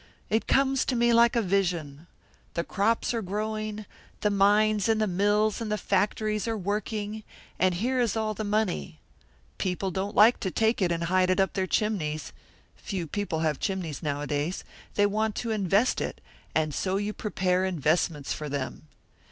It comes to me like a vision. The crops are growing, the mines and the mills and the factories are working, and here is all the money. People don't like to take it and hide it up their chimneys few people have chimneys nowadays. They want to invest it; and so you prepare investments for them.